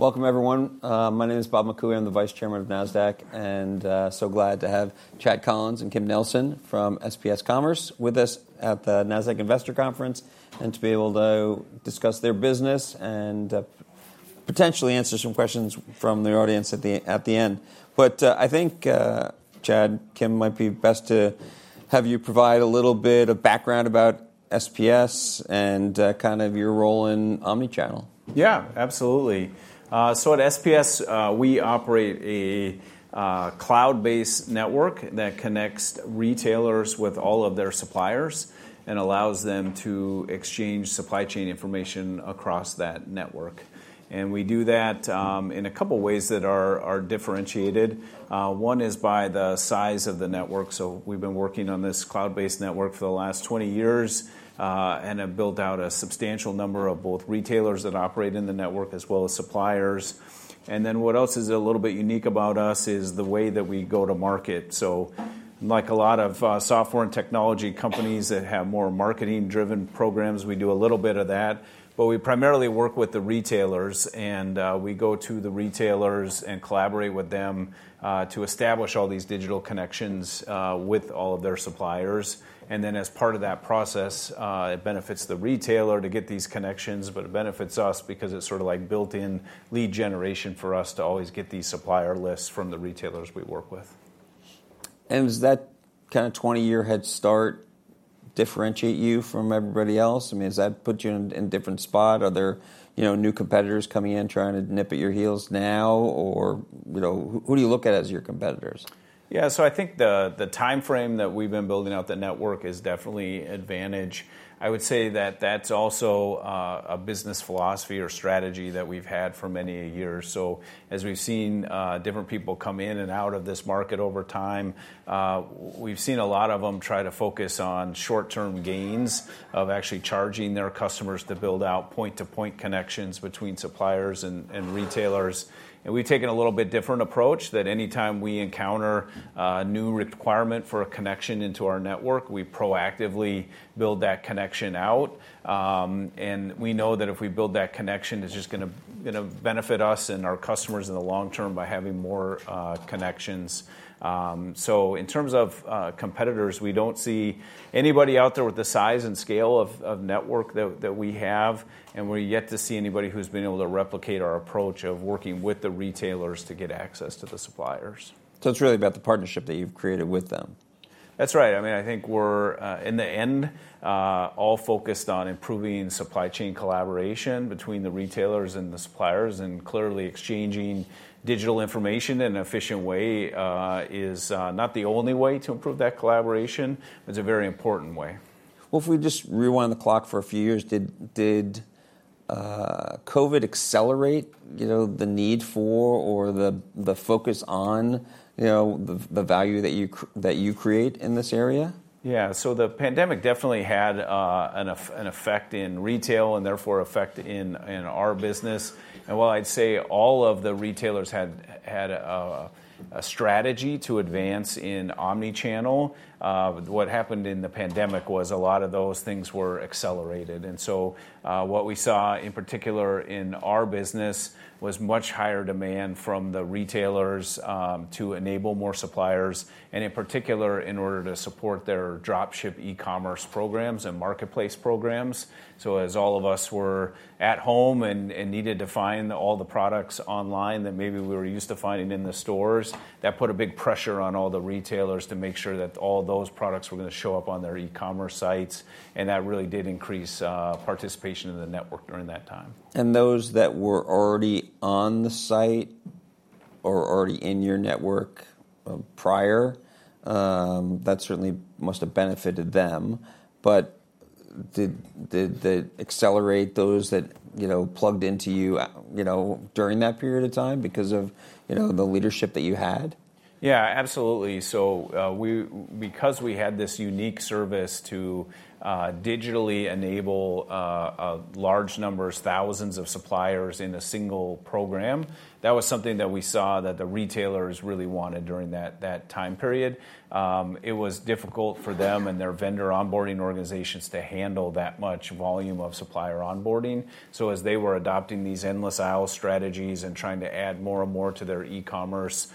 Welcome, everyone. My name is Bob McCooey. I'm the Vice Chairman of Nasdaq, and I'm so glad to have Chad Collins and Kim Nelson from SPS Commerce with us at the Nasdaq Investor Conference and to be able to discuss their business and potentially answer some questions from the audience at the end, but I think, Chad, Kim, it might be best to have you provide a little bit of background about SPS and kind of your role in omnichannel. Yeah, absolutely, so at SPS, we operate a cloud-based network that connects retailers with all of their suppliers and allows them to exchange supply chain information across that network, and we do that in a couple of ways that are differentiated. One is by the size of the network, so we've been working on this cloud-based network for the last 20 years and have built out a substantial number of both retailers that operate in the network as well as suppliers, and then what else is a little bit unique about us is the way that we go to market, so like a lot of software and technology companies that have more marketing-driven programs, we do a little bit of that, but we primarily work with the retailers, and we go to the retailers and collaborate with them to establish all these digital connections with all of their suppliers. And then as part of that process, it benefits the retailer to get these connections, but it benefits us because it's sort of like built-in lead generation for us to always get these supplier lists from the retailers we work with. Does that kind of 20-year head start differentiate you from everybody else? I mean, has that put you in a different spot? Are there new competitors coming in trying to nip at your heels now? Or who do you look at as your competitors? Yeah, so I think the time frame that we've been building out the network is definitely an advantage. I would say that that's also a business philosophy or strategy that we've had for many years. So as we've seen different people come in and out of this market over time, we've seen a lot of them try to focus on short-term gains of actually charging their customers to build out point-to-point connections between suppliers and retailers. And we've taken a little bit different approach that anytime we encounter a new requirement for a connection into our network, we proactively build that connection out. And we know that if we build that connection, it's just going to benefit us and our customers in the long term by having more connections. So in terms of competitors, we don't see anybody out there with the size and scale of network that we have, and we yet to see anybody who's been able to replicate our approach of working with the retailers to get access to the suppliers. So it's really about the partnership that you've created with them. That's right. I mean, I think we're, in the end, all focused on improving supply chain collaboration between the retailers and the suppliers. And clearly, exchanging digital information in an efficient way is not the only way to improve that collaboration. It's a very important way. If we just rewind the clock for a few years, did COVID accelerate the need for or the focus on the value that you create in this area? Yeah, so the pandemic definitely had an effect in retail and therefore an effect in our business, and while I'd say all of the retailers had a strategy to advance in omnichannel, what happened in the pandemic was a lot of those things were accelerated, and so what we saw, in particular in our business, was much higher demand from the retailers to enable more suppliers, and in particular in order to support their dropship e-commerce programs and marketplace programs, so as all of us were at home and needed to find all the products online that maybe we were used to finding in the stores, that put a big pressure on all the retailers to make sure that all those products were going to show up on their e-commerce sites, and that really did increase participation in the network during that time. Those that were already on the site or already in your network prior, that certainly must have benefited them. Did that accelerate those that plugged into you during that period of time because of the leadership that you had? Yeah, absolutely. So because we had this unique service to digitally enable large numbers, thousands of suppliers in a single program, that was something that we saw that the retailers really wanted during that time period. It was difficult for them and their vendor onboarding organizations to handle that much volume of supplier onboarding. So as they were adopting these endless aisle strategies and trying to add more and more to their e-commerce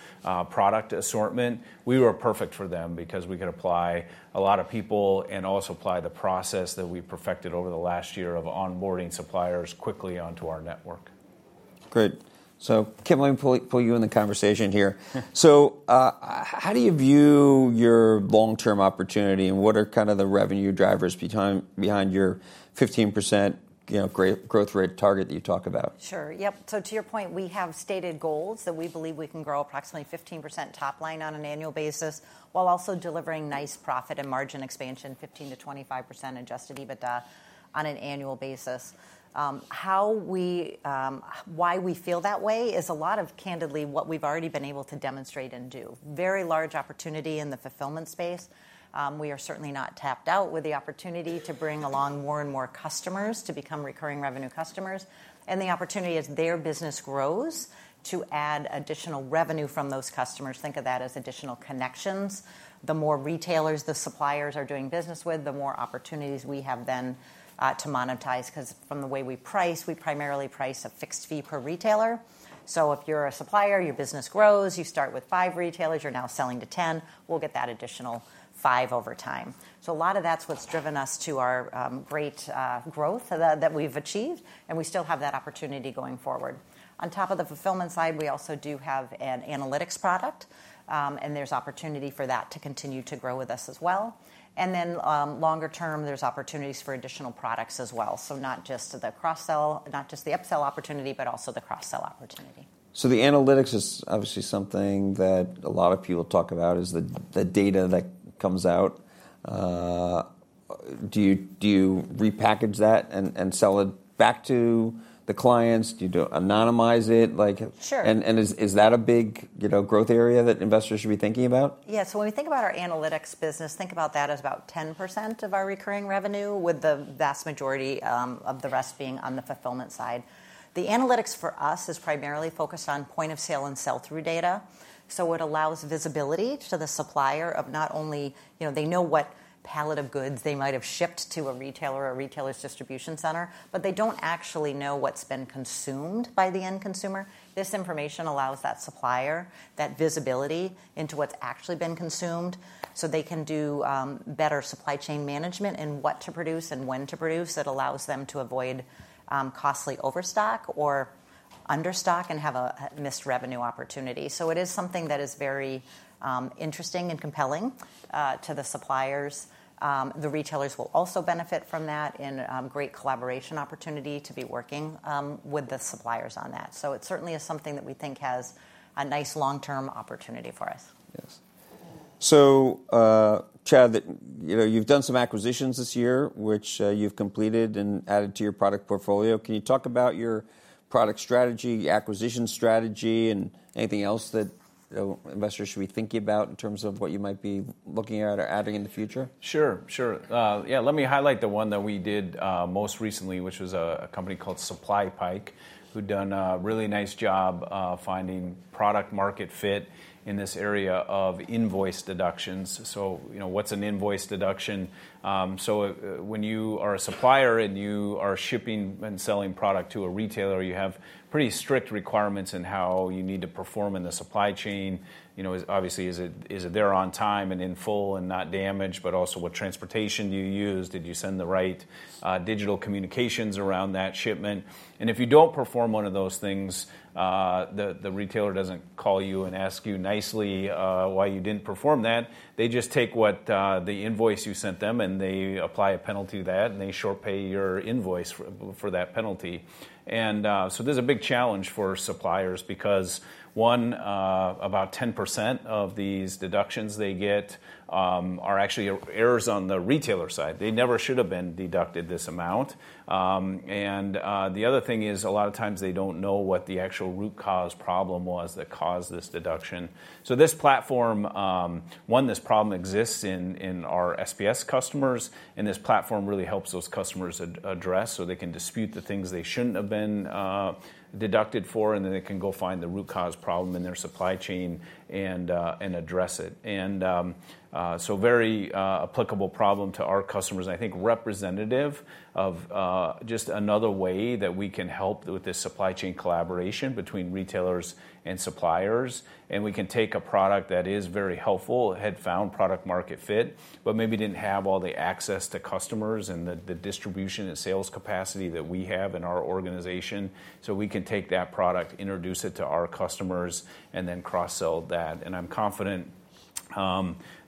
product assortment, we were perfect for them because we could apply a lot of people and also apply the process that we perfected over the last year of onboarding suppliers quickly onto our network. Great. So Kim, let me pull you in the conversation here. So how do you view your long-term opportunity and what are kind of the revenue drivers behind your 15% growth rate target that you talk about? Sure. Yep. So to your point, we have stated goals that we believe we can grow approximately 15% top line on an annual basis while also delivering nice profit and margin expansion, 15%-25% Adjusted EBITDA on an annual basis. Why we feel that way is a lot of candidly what we've already been able to demonstrate and do. Very large opportunity in the fulfillment space. We are certainly not tapped out with the opportunity to bring along more and more customers to become recurring revenue customers. And the opportunity, as their business grows, to add additional revenue from those customers. Think of that as additional connections. The more retailers the suppliers are doing business with, the more opportunities we have then to monetize because from the way we price, we primarily price a fixed fee per retailer. If you're a supplier, your business grows. You start with five retailers. You're now selling to 10. We'll get that additional five over time. A lot of that's what's driven us to our great growth that we've achieved, and we still have that opportunity going forward. On top of the fulfillment side, we also do have an analytics product, and there's opportunity for that to continue to grow with us as well. Longer term, there's opportunities for additional products as well. Not just the cross-sell, not just the upsell opportunity, but also the cross-sell opportunity. So the analytics is obviously something that a lot of people talk about: the data that comes out. Do you repackage that and sell it back to the clients? Do you anonymize it? Sure. Is that a big growth area that investors should be thinking about? Yeah. So when we think about our analytics business, think about that as about 10% of our recurring revenue with the vast majority of the rest being on the fulfillment side. The analytics for us is primarily focused on point of sale and sell-through data. So it allows visibility to the supplier of not only they know what pallet of goods they might have shipped to a retailer or a retailer's distribution center, but they don't actually know what's been consumed by the end consumer. This information allows that supplier that visibility into what's actually been consumed so they can do better supply chain management and what to produce and when to produce that allows them to avoid costly overstock or understock and have a missed revenue opportunity. So it is something that is very interesting and compelling to the suppliers. The retailers will also benefit from that, and a great collaboration opportunity to be working with the suppliers on that. So it certainly is something that we think has a nice long-term opportunity for us. Yes. So Chad, you've done some acquisitions this year, which you've completed and added to your product portfolio. Can you talk about your product strategy, acquisition strategy, and anything else that investors should be thinking about in terms of what you might be looking at or adding in the future? Sure, sure. Yeah, let me highlight the one that we did most recently, which was a company called SupplyPike, who'd done a really nice job finding product-market fit in this area of invoice deductions. So what's an invoice deduction? So when you are a supplier and you are shipping and selling product to a retailer, you have pretty strict requirements in how you need to perform in the supply chain. Obviously, is it there on time and in full and not damaged, but also what transportation do you use? Did you send the right digital communications around that shipment? And if you don't perform one of those things, the retailer doesn't call you and ask you nicely why you didn't perform that. They just take the invoice you sent them and they apply a penalty to that, and they short pay your invoice for that penalty. And so there's a big challenge for suppliers because, one, about 10% of these deductions they get are actually errors on the retailer side. They never should have been deducted this amount. And the other thing is a lot of times they don't know what the actual root cause problem was that caused this deduction. So this platform, one, this problem exists in our SPS customers, and this platform really helps those customers address so they can dispute the things they shouldn't have been deducted for, and then they can go find the root cause problem in their supply chain and address it. And so very applicable problem to our customers, and I think representative of just another way that we can help with this supply chain collaboration between retailers and suppliers. And we can take a product that is very helpful, had found product-market fit, but maybe didn't have all the access to customers and the distribution and sales capacity that we have in our organization. So we can take that product, introduce it to our customers, and then cross-sell that. And I'm confident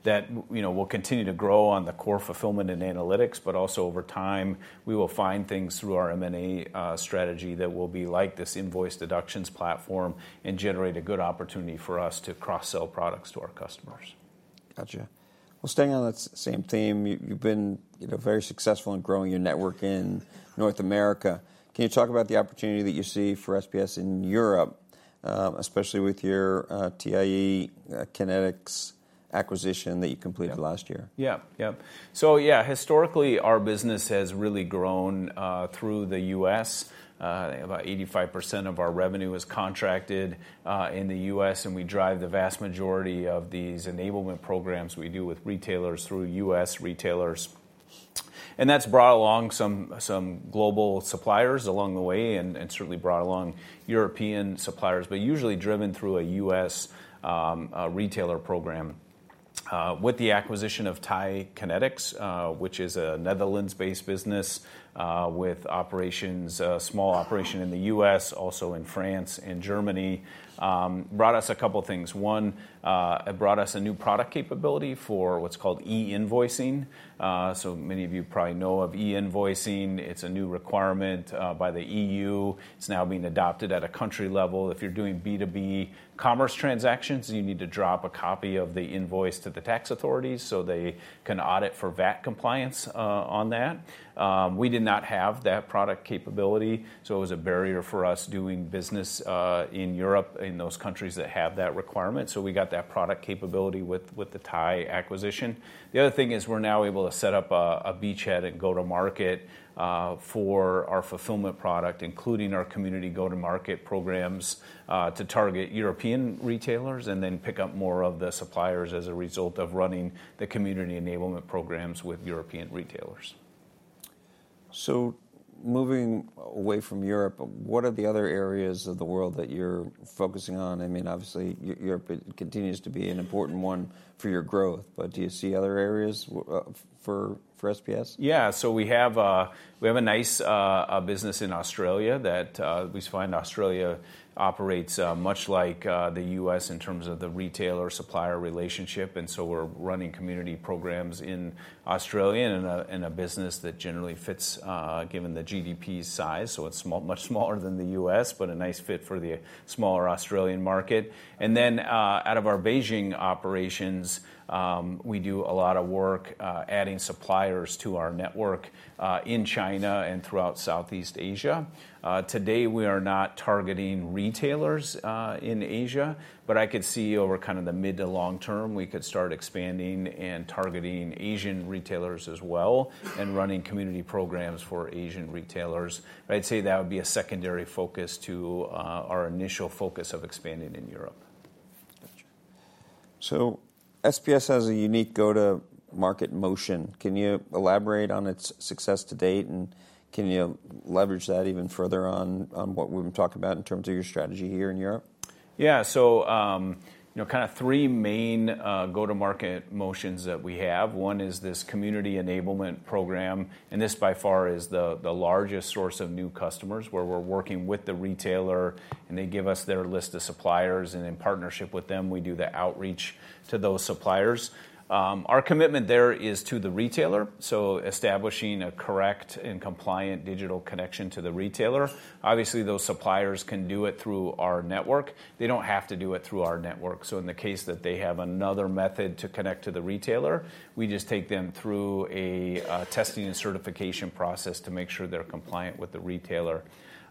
that we'll continue to grow on the core fulfillment and analytics, but also over time we will find things through our M&A strategy that will be like this invoice deductions platform and generate a good opportunity for us to cross-sell products to our customers. Gotcha. Well, staying on that same theme, you've been very successful in growing your network in North America. Can you talk about the opportunity that you see for SPS in Europe, especially with your TIE Kinetix acquisition that you completed last year? Yeah, yeah. So yeah, historically, our business has really grown through the U.S.. About 85% of our revenue is contracted in the U.S., and we drive the vast majority of these enablement programs we do with retailers through U.S. retailers. That's brought along some global suppliers along the way and certainly brought along European suppliers, but usually driven through a U.S. retailer program. With the acquisition of TIE Kinetix, which is a Netherlands-based business with operations, small operation in the U.S., also in France and Germany, brought us a couple of things. One, it brought us a new product capability for what's called e-invoicing. So many of you probably know of e-invoicing. It's a new requirement by the EU. It's now being adopted at a country level. If you're doing B2B commerce transactions, you need to drop a copy of the invoice to the tax authorities so they can audit for VAT compliance on that. We did not have that product capability, so it was a barrier for us doing business in Europe in those countries that have that requirement. So we got that product capability with the TIE acquisition. The other thing is we're now able to set up a beachhead and go-to-market for our fulfillment product, including our community go-to-market programs to target European retailers and then pick up more of the suppliers as a result of running the community enablement programs with European retailers. So moving away from Europe, what are the other areas of the world that you're focusing on? I mean, obviously, Europe continues to be an important one for your growth, but do you see other areas for SPS? Yeah. So we have a nice business in Australia that we find Australia operates much like the U.S. in terms of the retailer-supplier relationship. And so we're running community programs in Australia in a business that generally fits given the GDP size. So it's much smaller than the U.S., but a nice fit for the smaller Australian market. And then out of our Beijing operations, we do a lot of work adding suppliers to our network in China and throughout Southeast Asia. Today, we are not targeting retailers in Asia, but I could see over kind of the mid to long term, we could start expanding and targeting Asian retailers as well and running community programs for Asian retailers. I'd say that would be a secondary focus to our initial focus of expanding in Europe. Gotcha. So SPS has a unique go-to-market motion. Can you elaborate on its success to date, and can you leverage that even further on what we've been talking about in terms of your strategy here in Europe? Yeah. So kind of three main go-to-market motions that we have. One is this community enablement program, and this by far is the largest source of new customers where we're working with the retailer, and they give us their list of suppliers, and in partnership with them, we do the outreach to those suppliers. Our commitment there is to the retailer, so establishing a correct and compliant digital connection to the retailer. Obviously, those suppliers can do it through our network. They don't have to do it through our network. So in the case that they have another method to connect to the retailer, we just take them through a testing and certification process to make sure they're compliant with the retailer.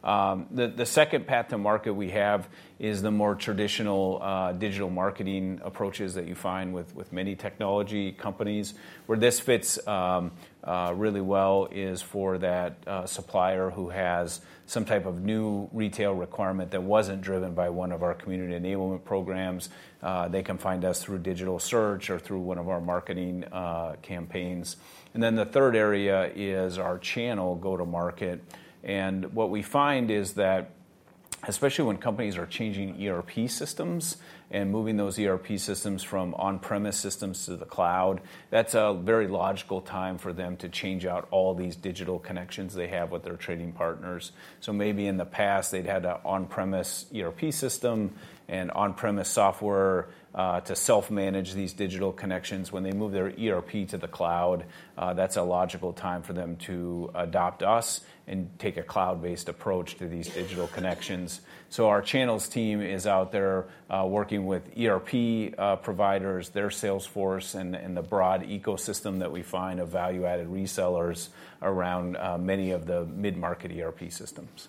The second path to market we have is the more traditional digital marketing approaches that you find with many technology companies. Where this fits really well is for that supplier who has some type of new retail requirement that wasn't driven by one of our community enablement programs. They can find us through digital search or through one of our marketing campaigns, and then the third area is our channel go-to-market, and what we find is that especially when companies are changing ERP systems and moving those ERP systems from on-premise systems to the cloud, that's a very logical time for them to change out all these digital connections they have with their trading partners, so maybe in the past, they'd had an on-premise ERP system and on-premise software to self-manage these digital connections. When they move their ERP to the cloud, that's a logical time for them to adopt us and take a cloud-based approach to these digital connections. So our channels team is out there working with ERP providers, their sales force, and the broad ecosystem that we find of value-added resellers around many of the mid-market ERP systems.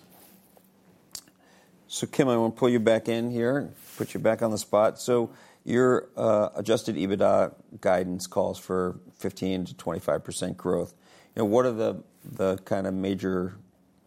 So Kim, I want to pull you back in here and put you back on the spot. So your Adjusted EBITDA guidance calls for 15%-25% growth. What are the kind of major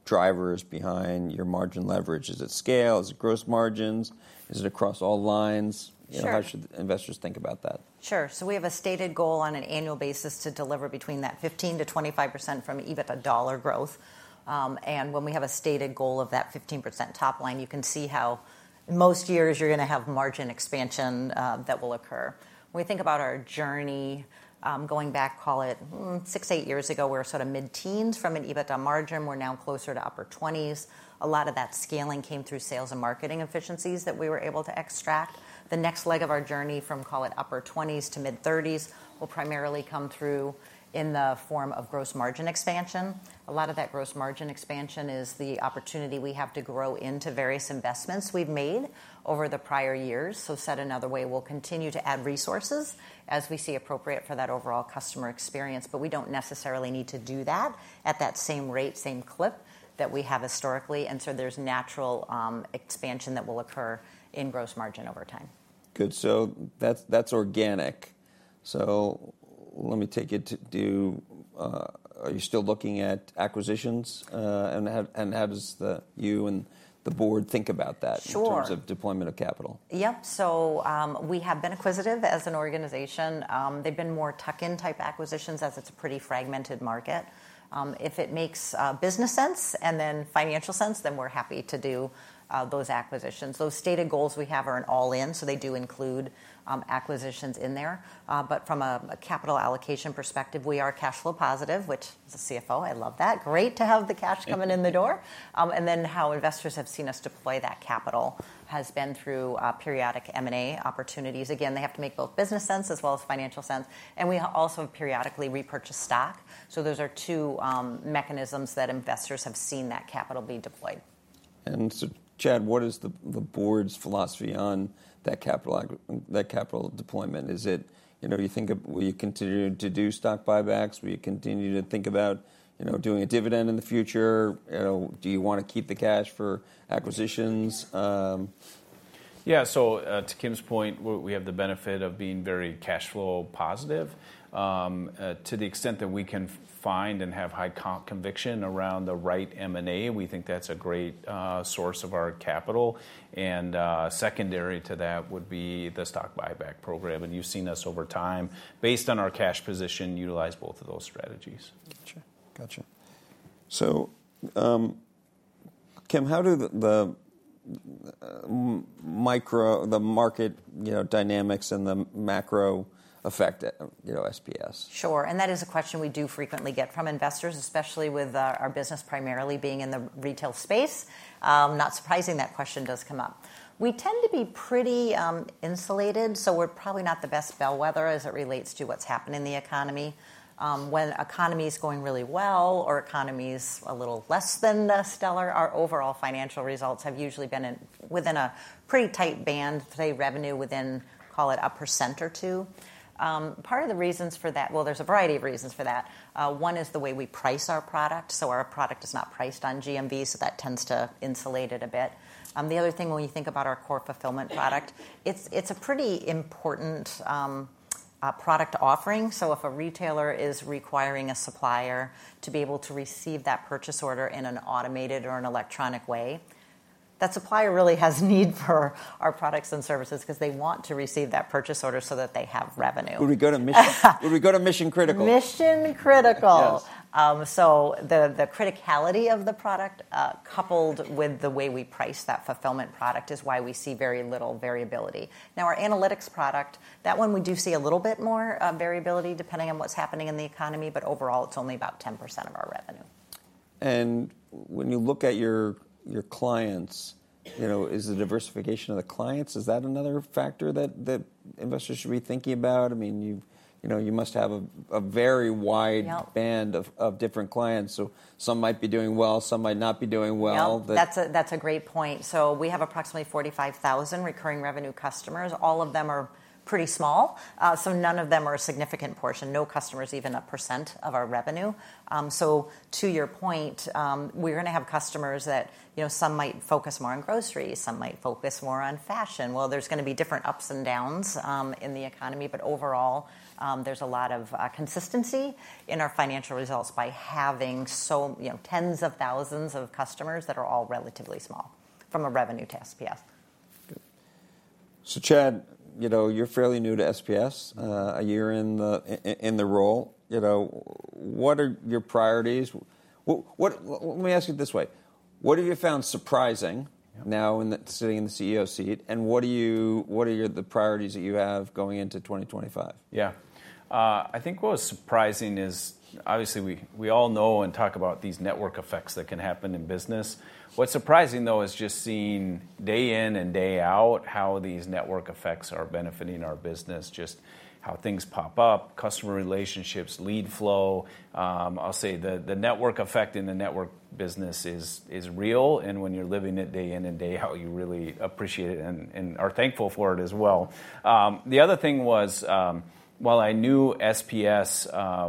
drivers behind your margin leverage? Is it scale? Is it gross margins? Is it across all lines? How should investors think about that? Sure. So we have a stated goal on an annual basis to deliver between 15%-25% EBITDA dollar growth. And when we have a stated goal of that 15% top line, you can see how in most years you're going to have margin expansion that will occur. When we think about our journey going back, call it six, eight years ago, we were sort of mid-teens EBITDA margin. We're now closer to upper 20s. A lot of that scaling came through sales and marketing efficiencies that we were able to extract. The next leg of our journey from, call it upper 20s to mid-30s, will primarily come through in the form of gross margin expansion. A lot of that gross margin expansion is the opportunity we have to grow into various investments we've made over the prior years. So said another way, we'll continue to add resources as we see appropriate for that overall customer experience, but we don't necessarily need to do that at that same rate, same clip that we have historically. And so there's natural expansion that will occur in gross margin over time. Good. So that's organic. So let me take it to are you still looking at acquisitions? And how does you and the board think about that in terms of deployment of capital? Sure. Yep. So we have been acquisitive as an organization. They've been more tuck-in type acquisitions as it's a pretty fragmented market. If it makes business sense and then financial sense, then we're happy to do those acquisitions. Those stated goals we have are an all-in, so they do include acquisitions in there. But from a capital allocation perspective, we are cash flow positive, which as a CFO. I love that. Great to have the cash coming in the door. And then how investors have seen us deploy that capital has been through periodic M&A opportunities. Again, they have to make both business sense as well as financial sense. And we also have periodically repurchased stock. So those are two mechanisms that investors have seen that capital be deployed. And so, Chad, what is the board's philosophy on that capital deployment? Is it, you think, will you continue to do stock buybacks? Will you continue to think about doing a dividend in the future? Do you want to keep the cash for acquisitions? Yeah. So to Kim's point, we have the benefit of being very cash flow positive. To the extent that we can find and have high conviction around the right M&A, we think that's a great source of our capital. And secondary to that would be the stock buyback program. And you've seen us over time, based on our cash position, utilize both of those strategies. Gotcha, gotcha. So Kim, how do the market dynamics and the macro affect SPS? Sure. And that is a question we do frequently get from investors, especially with our business primarily being in the retail space. Not surprising that question does come up. We tend to be pretty insulated, so we're probably not the best bellwether as it relates to what's happened in the economy. When economy is going really well or economy is a little less than stellar, our overall financial results have usually been within a pretty tight band, say revenue within, call it 1% or 2%. Part of the reasons for that, well, there's a variety of reasons for that. One is the way we price our product. So our product is not priced on GMV, so that tends to insulate it a bit. The other thing, when you think about our core fulfillment product, it's a pretty important product offering. If a retailer is requiring a supplier to be able to receive that purchase order in an automated or an electronic way, that supplier really has a need for our products and services because they want to receive that purchase order so that they have revenue. Would we go to mission critical? Mission critical. So the criticality of the product coupled with the way we price that fulfillment product is why we see very little variability. Now, our analytics product, that one we do see a little bit more variability depending on what's happening in the economy, but overall, it's only about 10% of our revenue. When you look at your clients, is the diversification of the clients, is that another factor that investors should be thinking about? I mean, you must have a very wide band of different clients. Some might be doing well, some might not be doing well. That's a great point. So we have approximately 45,000 recurring revenue customers. All of them are pretty small, so none of them are a significant portion, no customers even 1% of our revenue. So to your point, we're going to have customers that some might focus more on groceries, some might focus more on fashion. There's going to be different ups and downs in the economy, but overall, there's a lot of consistency in our financial results by having tens of thousands of customers that are all relatively small from a revenue perspective. Yes. So Chad, you're fairly new to SPS, a year in the role. What are your priorities? Let me ask you this way. What have you found surprising now sitting in the CEO seat, and what are the priorities that you have going into 2025? Yeah. I think what was surprising is, obviously, we all know and talk about these network effects that can happen in business. What's surprising, though, is just seeing day in and day out how these network effects are benefiting our business, just how things pop up, customer relationships, lead flow. I'll say the network effect in the network business is real, and when you're living it day in and day out, you really appreciate it and are thankful for it as well. The other thing was, while I knew SPS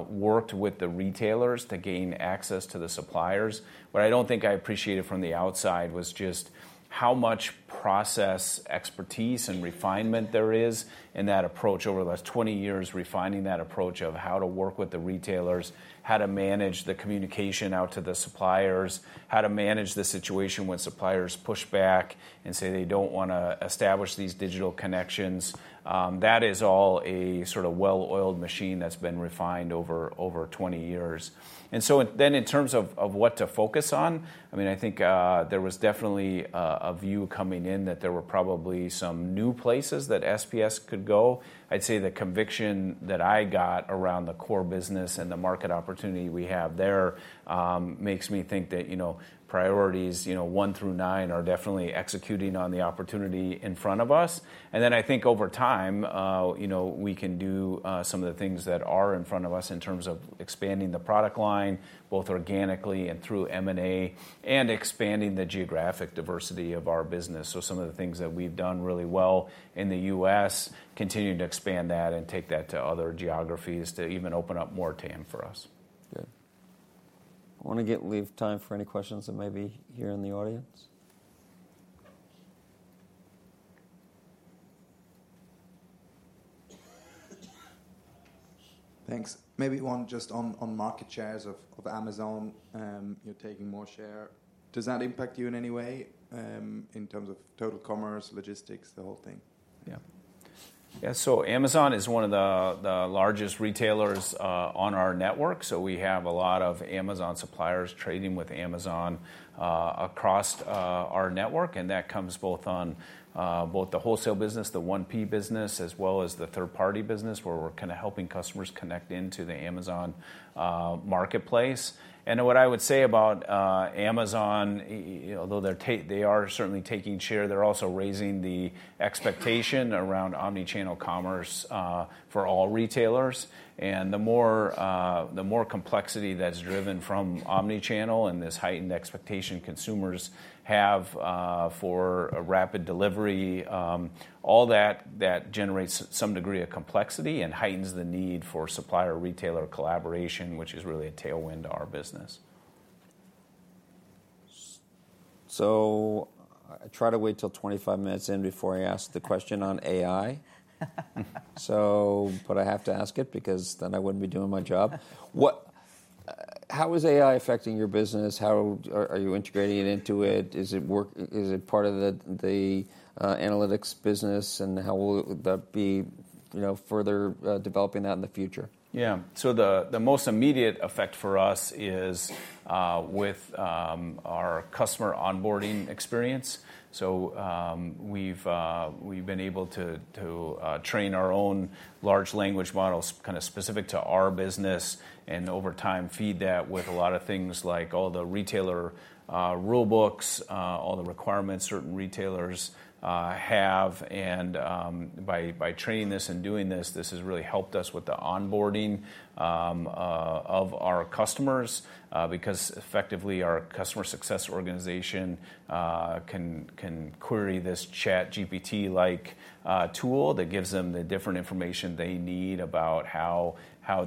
worked with the retailers to gain access to the suppliers, what I don't think I appreciated from the outside was just how much process expertise and refinement there is in that approach over the last 20 years, refining that approach of how to work with the retailers, how to manage the communication out to the suppliers, how to manage the situation when suppliers push back and say they don't want to establish these digital connections. That is all a sort of well-oiled machine that's been refined over 20 years, and so then in terms of what to focus on, I mean, I think there was definitely a view coming in that there were probably some new places that SPS could go. I'd say the conviction that I got around the core business and the market opportunity we have there makes me think that priorities one through nine are definitely executing on the opportunity in front of us, and then I think over time, we can do some of the things that are in front of us in terms of expanding the product line, both organically and through M&A, and expanding the geographic diversity of our business, so some of the things that we've done really well in the U.S., continue to expand that and take that to other geographies to even open up more TAM for us. Good. I want to leave time for any questions that may be here in the audience. Thanks. Maybe one just on market shares of Amazon, you're taking more share. Does that impact you in any way in terms of total commerce, logistics, the whole thing? Yeah. Yeah. So Amazon is one of the largest retailers on our network. So we have a lot of Amazon suppliers trading with Amazon across our network, and that comes both on both the wholesale business, the 1P business, as well as the third-party business where we're kind of helping customers connect into the Amazon Marketplace. And what I would say about Amazon, although they are certainly taking share, they're also raising the expectation around omnichannel commerce for all retailers. And the more complexity that's driven from omnichannel and this heightened expectation consumers have for a rapid delivery, all that generates some degree of complexity and heightens the need for supplier-retailer collaboration, which is really a tailwind to our business. So I try to wait till 25 minutes in before I ask the question on AI, but I have to ask it because then I wouldn't be doing my job. How is AI affecting your business? How are you integrating it into it? Is it part of the analytics business, and how will that be further developing that in the future? Yeah. So the most immediate effect for us is with our customer onboarding experience. So we've been able to train our own large language models kind of specific to our business and over time feed that with a lot of things like all the retailer rule books, all the requirements certain retailers have. And by training this and doing this, this has really helped us with the onboarding of our customers because effectively our customer success organization can query this ChatGPT-like tool that gives them the different information they need about how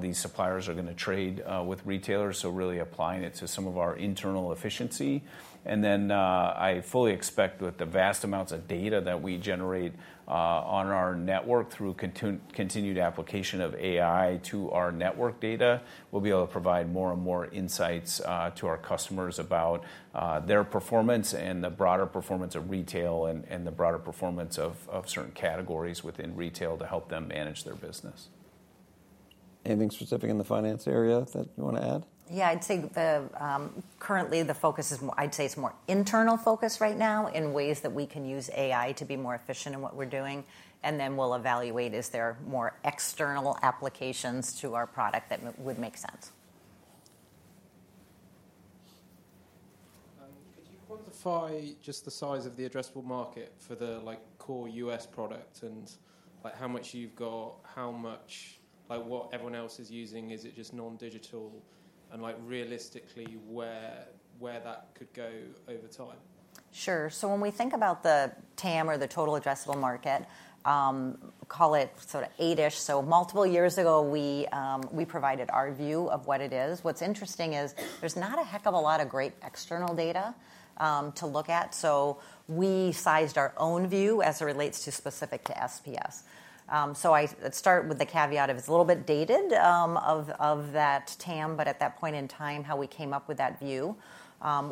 these suppliers are going to trade with retailers. So really applying it to some of our internal efficiency. And then, I fully expect with the vast amounts of data that we generate on our network through continued application of AI to our network data, we'll be able to provide more and more insights to our customers about their performance and the broader performance of retail and the broader performance of certain categories within retail to help them manage their business. Anything specific in the finance area that you want to add? Yeah, I'd say currently the focus is. I'd say it's more internal focus right now in ways that we can use AI to be more efficient in what we're doing. And then we'll evaluate is there more external applications to our product that would make sense. Could you quantify just the size of the addressable market for the core U.S. product and how much you've got, how much what everyone else is using, is it just non-digital and realistically where that could go over time? Sure. When we think about the TAM or the total addressable market, call it sort of eight-ish. Multiple years ago, we provided our view of what it is. What's interesting is there's not a heck of a lot of great external data to look at. We sized our own view as it relates specifically to SPS. I'd start with the caveat that it's a little bit dated, that TAM, but at that point in time, how we came up with that view,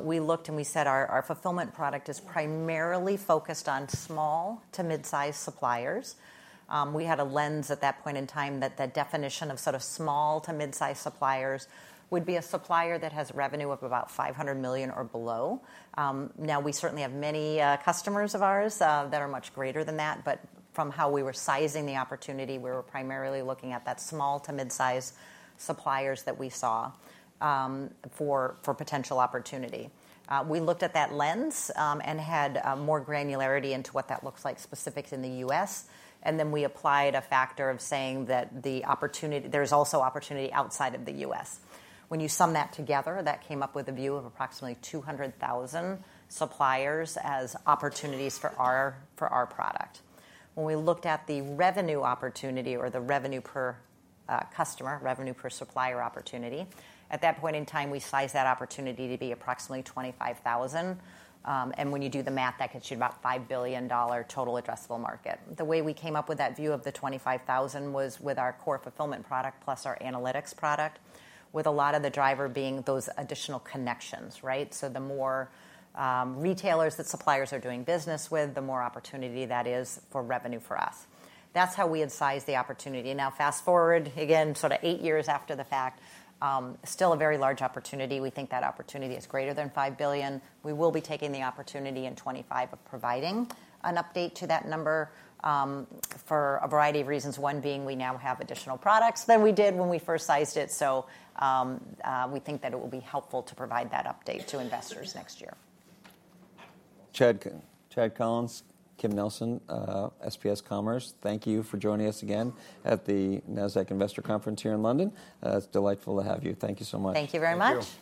we looked and we said our fulfillment product is primarily focused on small to mid-sized suppliers. We had a lens at that point in time that the definition of sort of small to mid-sized suppliers would be a supplier that has revenue of about $500 million or below. Now, we certainly have many customers of ours that are much greater than that, but from how we were sizing the opportunity, we were primarily looking at that small- to mid-sized suppliers that we saw for potential opportunity. We looked at that lens and had more granularity into what that looks like specifically in the U.S., and then we applied a factor of saying that there's also opportunity outside of the U.S. When you sum that together, that came up with a view of approximately 200,000 suppliers as opportunities for our product. When we looked at the revenue opportunity or the revenue per customer, revenue per supplier opportunity, at that point in time, we sized that opportunity to be approximately $25,000, and when you do the math, that gets you about $5 billion total addressable market. The way we came up with that view of the 25,000 was with our core fulfillment product plus our analytics product, with a lot of the driver being those additional connections, right? So the more retailers that suppliers are doing business with, the more opportunity that is for revenue for us. That's how we had sized the opportunity. Now, fast forward again, sort of eight years after the fact, still a very large opportunity. We think that opportunity is greater than $5 billion. We will be taking the opportunity in 2025 of providing an update to that number for a variety of reasons, one being we now have additional products than we did when we first sized it. So we think that it will be helpful to provide that update to investors next year. Chad Collins, Kim Nelson, SPS Commerce, thank you for joining us again at the Nasdaq Investor Conference here in London. It's delightful to have you. Thank you so much. Thank you very much.